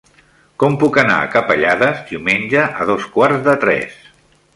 Com puc anar a Capellades diumenge a dos quarts de tres?